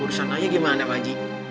urusan ayah gimana pak haji